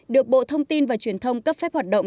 được bộ thông tin và truyền thông cấp phép hoạt động